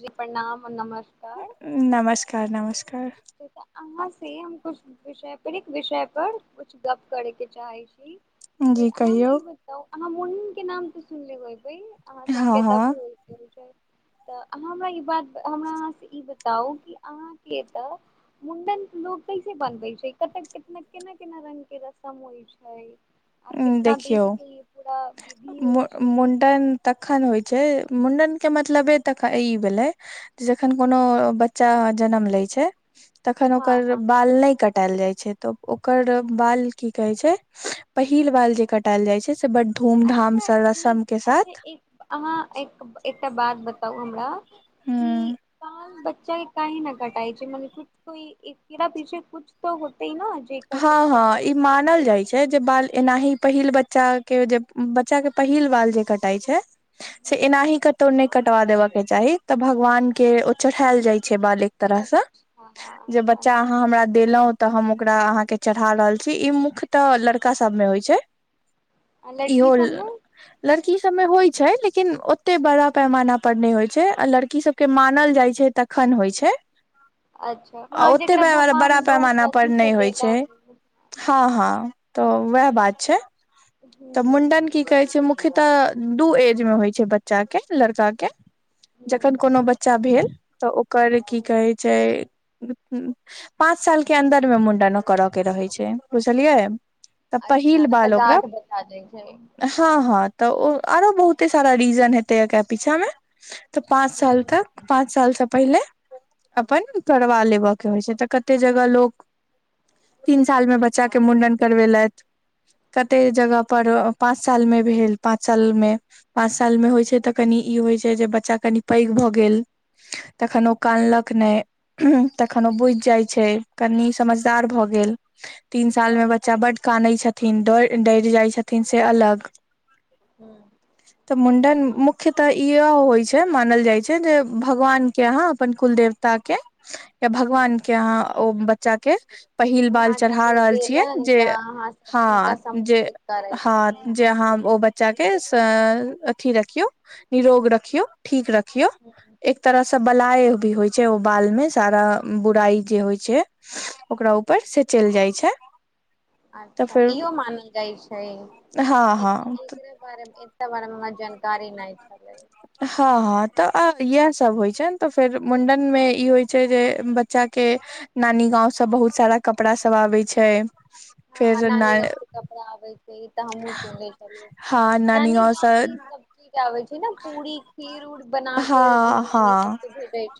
जी प्रणाम नमस्कार नमस्कार तऽ अहाँ से हम कुछ विषय पर विषय पर कुछ गप करे के चाहे छी से जी अहाँ ने कहियौ ई बताउ अहाँ मुइन के नाम त सुन लेबय अहाँ हँ सबके भेज हँ देल गेल तऽ हमरा ई बात हमरा अहाँसँ ई बताउ कि अहाँके एतऽ मुंडन लोग कैसे बनबै छै कत कितना केना केना रंग के रसम होइ छै आ कितना बीज देखियौ देलिये मु मुंडन तखन होइ छै मुण्डनके मतलबे तऽ ई भेलै जे जखन कोनो बच्चा जनम लै छै तखन हँ ओकर हँ बाल नहि कटायल जाइ छै तऽ ओकर हँ बाल की कहै छै पहिल बाल जे कटाल जाइ छै से बड धूमधाम अच्छा से ई रस्म के अच्छा साथ एक अहाँ एक एकटा बात बताउ हमरा ह कि त ब्च कह न कटाइ छै मरा पीछे कुछ त हँ हँ ई मानल हूँ जाइ छै जे बाल एनाही पहिल बच्चा के जे बच्चा के पहिल बाल जे कटाई छै से एनाही कतौ नै कटवा देब के चाही तऽ भगवान के ओ चढ़ायल जाय छै छै बाल एक तरह सँ अच्छा जे बच्चा अच्छा अहाँ हमरा देलौ त हम ओकरा अहाँके चढ़ा रहल छी ई मुख्य तऽ लड़का सबमे होइ छै आ लड़की इहोल सबमे लड़ की सबमे होइ छै लेकिन ओते बड़ा पैमाना पर नहि होइ छै लड़की सबके मानल जाइ छै तऽ खन होइ छै अच्छा आ हँ ओते जेकरा बड़ा भगवान बहुत पैमाना पर अथी से नहि होइ छै देलन हँ हँ तऽ वएह बात छै तऽ हूँ मुंडन की कहै छै मुख्य तऽ दू एज मे होइ छै बच्चा के लड़का के हूँ जखन कोनो बच्चा भेल तऽ ओकर की कहै छै पाँच साल के अन्दरमे मुंनडनो कर के रहै छै बुझलियै तऽ अच्छा पहिल नहि तऽ बाल ओकरा गाँठ बता दै छै हूँ हँ हँ तऽ ओ आरो बहुते सारा रीजन हेते एकरा पीछा में तऽ पाँच साल हूँ तक पाँच साल से पहिले अपन करवा लेबऽ के होइ छै तऽ कते जगह लोक तीन सालमे बच्चाके मुण्डन करवेलैथ कते जगह पर पाँच साल मे भेल पाँच साल मे पाँंच साल में हूँ होइ छै तऽ कनि ई होइ छै जे बच्चा कनि पैघ भऽ गेल तखन ओ कानलक नहि तखनो ओ बुइझ जाय छै कनि समझदार भऽ गेल तीन साल मे बच्चा बड्ड कानै छथिन डर डैर जाइ छथिन से अ लग हूँ तऽ मुण्डन मुख मुख्यतः इहो होइ छै मानल जाइ छै जे भगवान के अहाँ अपन कुल देवता के या हूँ भगवान के अहाँ ओ बच्चा के पहिल बाल चढ़ा अहाँके रहल छियै देलनि जे तऽ अहाँ सब हुनका हँ जे समर्पित करै छथिन हँ जे अहाँ ओ ब्च बच्चा के सँ अथी रखियौ निरोग रखियौ ठीक रखियौ एक तरह स सब बलाय भी होइ छै ओ बाल मे सारा बुराई जे होइ छै ओकरा ऊपर से चैल जाइ छै तऽ अच्छा फेर इहो मानल जाइ छै हँ हँ एकरा बारेमे बारे मे हमरा जानकारी नहि छलै हँ हँ तऽ आब इएह सब होइ छै ने तऽ फेर मुंडन मे ई होइ छै जे बच्चा के नानी गाँंव से बहुत सारा कपड़ा सब आबै छै हँ फेर न नानी गाँव से कपड़ा आबै छै इ तऽ हमू सुनै छलियै नानी गांव से ई सब चिज़ आबै छै जेन पूरी खीर उर बना के हँ नानी सब हँ के भेटै छै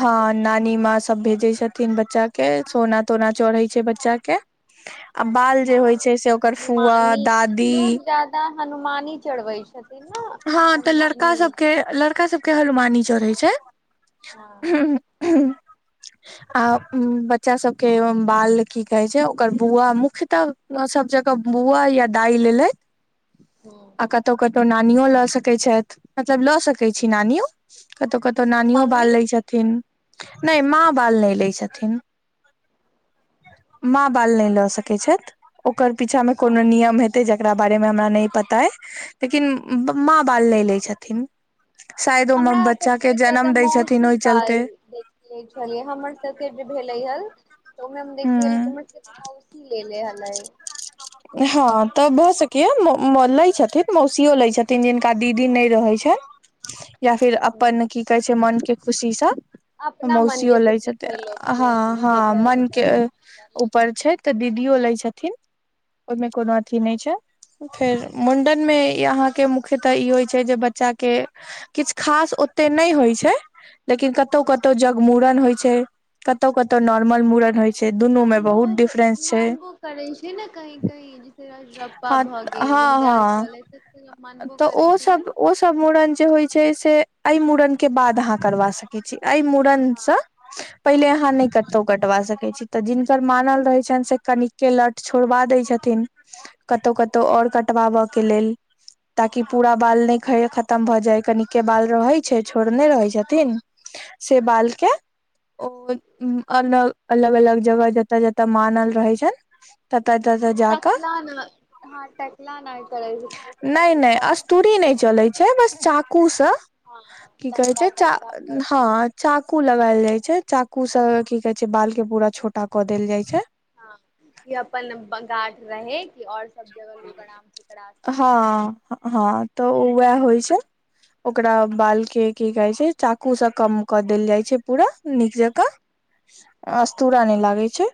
हँ नानी माँ सब भेजै छथिन बच्चा के सोना तोना चढ़ै छै बच्चा के [inaudible] आ बाल अच्छा जे होइ छै से ओकर फुआ हनुमानी दादी लोग जादा हनुमानी चढ़बै छथिन ने हँ तऽ लड़का हनुमानी सबके लड़का सबके हनुमानी चढ़ै छै हँ [inaudible] आ बच्चा सब के बाल की कहे छै ओकर बुआ मुख्यतः सब जगह बुआ या दाइ ले लै ह आ कतहु कतहु नानियो लऽ सकैत छथि मतलब लऽ सकैत छी नानियो कतहु कतहु नानियो मम्मी बाल लै छथिन नइ माँ बाल नइ लै छथिन माँ बाल नइ लऽ सकैत छैथ ओकर पीछामे अच्छा कोनो नियम हेतै ज एकरा बारेमे हमरा नै पता अइ लेकिन माँ बाल नइ ले छथिन शायद ओमे हमरा बच्चा सबके के एतऽ जन्म तऽ दै छथिन मौसी ओहि बाल चलते देखे छलियै हमर सबके जे भेले हल तऽ हम देखलिय हूँ मौसी लेले हले हँ तऽ भऽ सकैए लैय छथिन मौसियो लैय छथिन जिनका दीदी नइ रहै छै [inaudible] या फिर हूँ, अपन की कहे छै मन के खुशी स अपना मन मौसियो के लै खुशी छै छथिन लोक के हँ हँ जेकरा मन जेकरा के ऊपर छै तऽ दी दिदियो लै छथिन ओहिमे कोनो अथी नइ छै फेर मुंडन मे अहाँके मुख्यतः ई होइत छै जे बच्चा के किछ खास ओतेय नइ होइ छै लेकिन कतौ हूँ। कतौ जगमूड़न होइ छै कतौ कतौ नॉर्मल मुड़न होय छै दुनू आ में बहुत लोग डिफरेंस छै मानबो करै छै न कही कही रजरप्पा हँ भऽ गेल हँ हँ विन्ध्याचल मानबो तऽ ओ करै छै ने सब ओ सब मूड़न जे होइ छै से एहि मुड़न के बाद अहाँ करबा सकै छी एय मुड़न से हँ पहिले आहाँ हँ नइ कतो कटवा सके कहै छी तऽ जिनकर मानल रहै छनि से कनिक के लट छोड़बा दै छथिन कतौ हूँ कतौ और कटवाबय के लेल ताकि हँ पूरा बाल नय ख खतम भऽ जाय कनिक के बाल रहै छै छोड़ने रहै छथिन से हूँ बाल के त ओ अलग अलग अलग जगह जतय जतय मानल रहै छै ततअ ततअ जा क हाँ न हँ त टकला नइ करै छै से नइ नइ लग अस्तूरी नइ चलै छै बस चाकू सँ हँ की कहै तनिका छै चा तनिका कर हँ दै छै चाकू लगायल जाइ छै चाकू से की कहे छै बाल के पूरा छोटा क देल जाय छै हँ य अपन गार्ड रहे कि ओर हँ हँ तऽ ओएह होइ छै ओकरा बाल के की कहै छै चाकूसँ कम कऽ देल जाइ छै पूरा नीक जकाँ अस्तुरा नहि लागे छै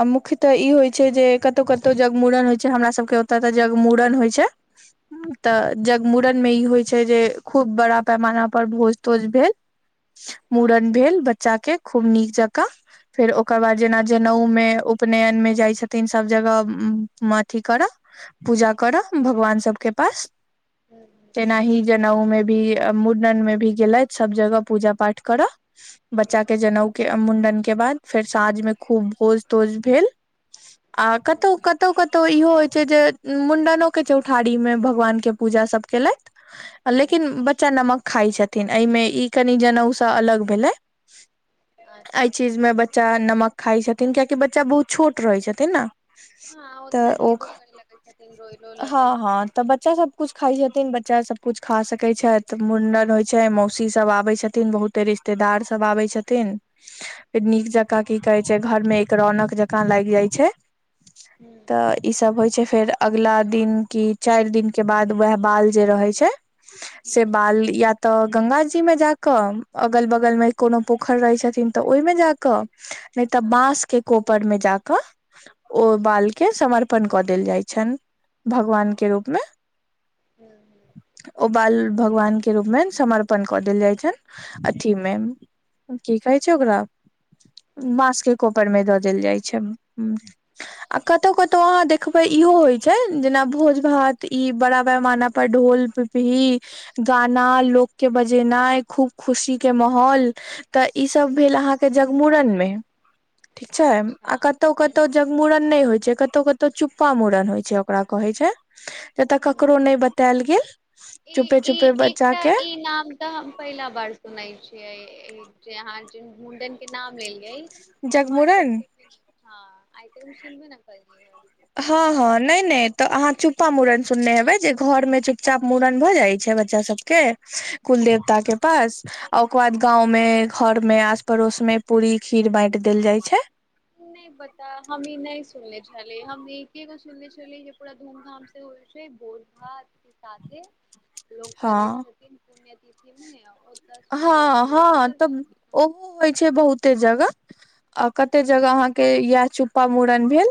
आ मुख्यतऽ ई होइ छै जे कतहु कतहु जगमूड़न होइ हमरा सबके ओते त जग मुूड़न होइ छै तऽ जगमूड़न मे ई होइ छै जे खूब बड़ा पैमाना पर भोज तोज भेल हँ मूड़न भेल बच्चा के खूब नीक जकाँ फेर ओकर बाद ह जेना जनेउ मे उपनयन मे जाइ छथिन सभ जगह उ मे अथी करऽ पूजा करऽ भगवान सबके पास ह तेनाही जनेउ मे भी मुंडन मे भी गेलथि सब जगह पूजा पाठ करऽ ह बच्चा के जनउ के मुंडन के बाद फेर साँझ मे खूब भोज तोज भेल आ कतहु क कतौ कतौ इहो होय छै जे मुंडनो के छै उठारी मे भगवान के पूजा सब केलथि लेकिन ह बच्चा नमक खाइ छथिन एहिमे ई कनि जनेउ सब अलग भेलै एहि अच्छा चीज मे बच्चा नमक खाइ छथिन कियाकि बच्चा बहुत छोट रहैत छथिन ने हँ उतना तऽ ओ जिदो करे लगे छथिन रोइलो लगे हँ हँ छथिन तऽ बच्चा सब कुछ खाइ जेतै बच्चा सब कुछ खा सकै छथि मुडन होइ छै मौसी सब आबे छथिन बहुते रिश्तेदार सब पाबै छथिन फेर ह नीक जकाँ की कहैइ छैइ घर में एक रौनक जकाँ लागि जाय छैइ ह तऽ ईसभ होइ छैइ फेर अगला दिन कि चारि दिन के बाद वैएह बाल जे रहैइ छैइ से ह बाल या तऽ गंगाजी मे जाकऽ अगल बगल में कोनो पोखरि रहै छथिन तऽ ओहिमे जाकऽ नै तऽ ह बाँस के कोपर में जाकऽ ओ बाल के समर्पण कऽ देल जाइछनि भगवान के रूप में ह ओ बाल भगवान के रूप में समर्पण कऽ देल जाइ छनि अथी में की कहैइ छैइ ओकरा बाँस के कोपर मे दऽ देल जाइ छैइ ऊं कतौ कतौ अहाँ देखबैइ इहो होय छैइ जेना भोज भात ई बड़ा पैमाना पर ढोल पी पीपीही गाना लोक के बजेनाइ खूब खुशी के माहौल तऽ ई ई सब भेल अहाँ के जगमूड़न में ठीक छैइ आ अच्छा कतौ ह कतौ जगमूड़न नई होय छैई जे कतौ कतौ चुप्पका मूड़न होय छैइ ओकरा कहैइ छैइ जतअ ह ककरो नई बतायल गेल ई चुपे ई चुपे बच्चा एकटा के ई नाम तऽ हम पहिला बार सुनैइ छियै जे आहां जिन मुंडन के नाम लेलियै हां जगमुरन आइतक सुनबे नई केलियैइ हँअ् हँअ् नई नई तऽ अहाँ चुप्पा मूड़न सुनने हेबै जे घर में चुपचाप मूड़न भऽ जाइ छैइ बच्चा सबके कुल अच्छा देवता के पास ओकर बाद गांव में घर में आस पड़ोस में पूरी खीर बांइट देल जाइ छैइ नई पता हम ई नई सुनने छी छलैइ हम एकेगो सुननेे छलियै जे पूरा धूमधाम से होइ छैइ भोज भात लोक करै छथि पुण्यतिथि में हँअ् हँअ् तब ओहो होइ छैई बहुते जगह ह आ कते जगह अहाँ के या चुप्पा मूड़न भेल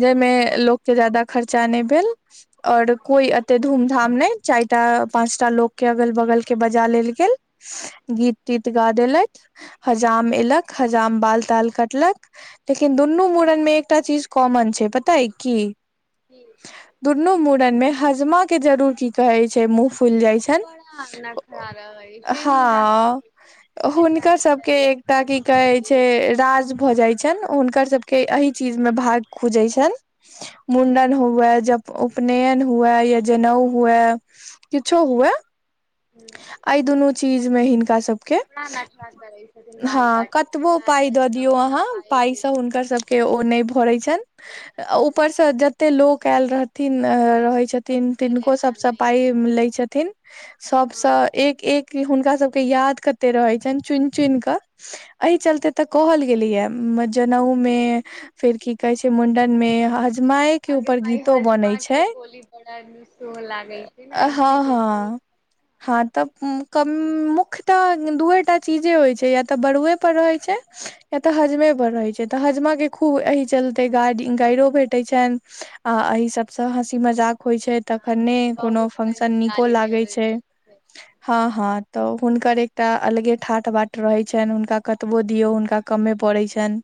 जे में लोक के जादा खर्चा नई भेल और कोई एते धूम धाम नई चारिटा पाँचटा लोक के अगल बगल के बजा लेल गेल गीत तीत गा देलत हजाम एलक हजाम बाल ताल कटलक लेकिन दुनू मूड़न में एकटा चीज कॉमन छैइ पता अई की ठीक दुनू मूड़न में हजमा के जरूर की कहैत छैइ मुफ फुल जाइ छनि जे हमरा हँ सबकें कोन हुनकर सबके एकटा की कहै ई छैइ दियौ राज भऽ जाइ छनि हुनकर सबके एहि चीज मे भाग खुजैइ छैन मुंडन हुए जब उपनयन हुए या जनेउ हुए किछो हुए अई दुनू चीज में हिन हुनका सबकें कपड़ा नखरा करै छथिन बाल हां कतबो काटैमे पाई एत द दिऔ जाउ ओतऽ आहां पाइ पाई दियौ से हुनका हँ सबकें सब के ओ नई भरैइ छैन मन करतनि ऊपर से जते लोक आयल रहथिन अ रहै छथिन सबसे तिनको लेतनि सबसँ पाइईए नहि लैइ छथिन हँ सबसं एक एक हुनका सब के याद कते रहै छनि चुनि चुनि कऽ एहि चलते कहल गेलई ह जनउ में फिर की कहैइ छैइ मूंडन में माय के अगे ऊपर माइ गीतो बनैई हजमा के छैई बोली बड़ा निसोह लागै छै ने इसने हँअ् कोइ कोइ हँअ् हां तऽ मुख्य तऽ दूए टा चीजे होइत छैइ या तऽ बड़ुए पर रहैत छैइ ए तऽ हजमे बड़ रहै छैइ त हजमा के खूब एहि चलते गा गाइरो भेंटैइ छनि आ एहि सब से हँसी मजाक होइ छैइ हँ तखने कोनो बहुत रंग फंक्शन के नीको गाली लागैइ देवल छैइ जाइ छै हँअ् हँअ् तऽ हुनकर एकटा अलगे ठाठ बाठ रहैत छनि हुनका कतबो दियौ हुनका कमे पड़ैइ छैनि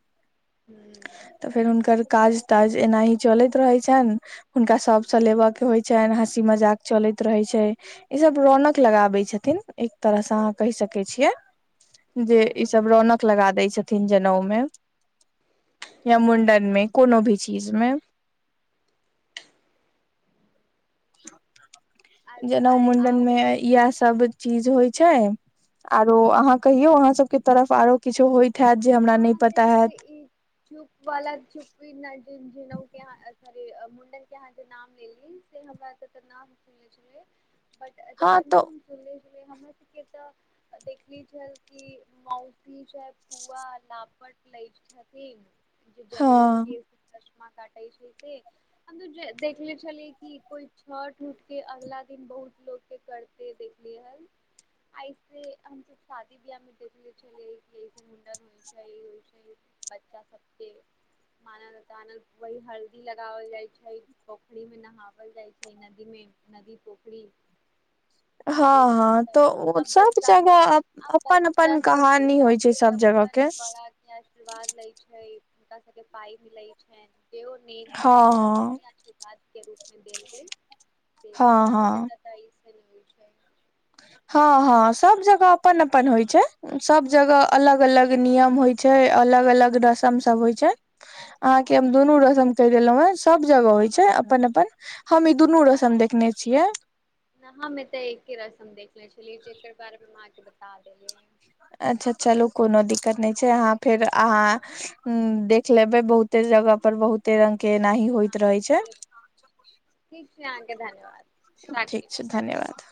हुं तऽ फेर हुनकर काज ताज एना ही चलैत रहे छन हुनका सब से लेबे के होय छनि हँसी मजाक चले रहै छै ई सब रौनक लगाबै छथिन एक तरह से अहाँ कैह सकै छियै जे हुं ईसभ रौनकनक लगा दै छथिन जनेउमे या मुण्डनमे कोनो भी चीजमे [inaudible] जेनाउ आ मुण्डन मे आउ इएह सब चीज होइ छै आरो अहाँ कहियो अहाँ सबके तरफ आरो किछो होय आ त ई त ई चुप वाला चुप इ न के स मुडन के अहाँ जे नाम लेली से हमरा ए नाम सुनने छल बट हँ जेितना तऽ हम सुल हमरा सबके त देखले छ कि मौसी छै फूआ लापट लै जा जे हँ काटे छै से हम देखले छलिय कि कोइ छठ उठ के अगला दिन बहुत लोकोके करते देखलिये है ऐे हमस शादी बीयाह मिडे के चलऐस मुडनमे [inaudible] बच्चा सबके मानल तानल वही हल्दी लगावल जाइ छै पोखरी मे नहावल जाइ छै नदी मे नदी पोखरी फेर हँ हँ तऽ ओ सब बच्चा सब जगह अब अपन बच्चा अपन सब कहानी होइ छै जाे सब जगह अपन बड़ा के आशीर्वाद ले छै हुनका सबके पाइ मिले छैन सेहो ने बच्चा हँ सबके आशीर्वाद के रूप देल गेल हँ हमरा हँ सबके हो छै हँ हँ सब जगह अपन अपन होइ छै सब जगह अलग अलग नियम होइ छै अलग अलग रसम सब होइ छै अहाँके हम दुनू रस्म कहि देलहुं हें सब जगह होइ छै अपन अपन हम ई दुनू रस्म देखने छियै न तऽ एक ही रसम देख लिय जेकर बारे मेके बता देली अच्छा चलू कोनो दिक्कत नहि छै अहाँ फेर अहाँ देख लेबै बहुते जगह पर बहुते रंग के एनाही होइत रहै छै हँ छै अहाँके धन्यवाद राखै ठीक छी छै धन्यवाद